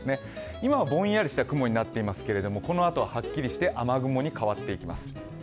今はぼんやりした雲になっていますけれども、このあと、はっきりして雨雲に変わっていきます。